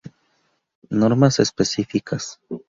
Normas específicas.